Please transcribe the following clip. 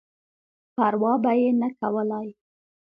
پر وا به یې نه کولای.